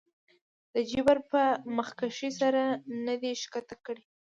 د جبر پۀ مخکښې سر نه دے ښکته کړے